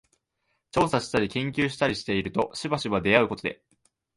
調査したり研究したりしているとしばしば出合うことで、